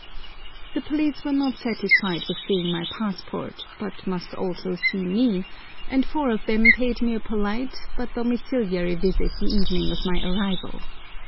The police were not satisfied with seeing my passport, but must also see me, and four of them paid me a polite but domiciliary visit the evening of my arrival.